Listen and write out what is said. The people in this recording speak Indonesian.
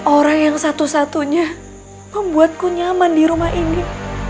orang yang satu satunya membuatku nyaman di rumah ini